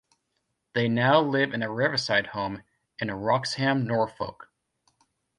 They now live in a riverside home, in Wroxham, Norfolk.